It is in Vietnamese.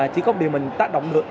chỉ có điều mình tác động được